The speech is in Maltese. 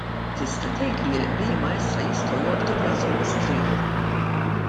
Tista' tgħid li l-Qriema issa jistgħu jorqdu b'rashom mistrieħa.